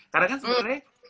karena kan sebenarnya